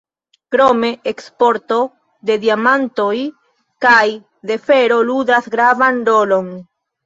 Krome eksporto de diamantoj kaj de fero ludas gravan rolon.